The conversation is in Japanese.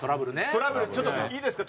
トラブルちょっといいですか？